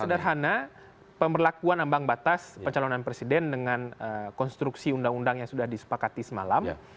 sederhana pemberlakuan ambang batas pencalonan presiden dengan konstruksi undang undang yang sudah disepakati semalam